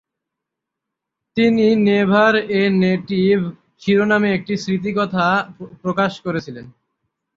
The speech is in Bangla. তিনি "নেভার এ নেটিভ" শিরোনামে একটি স্মৃতিকথা প্রকাশ করেছিলেন।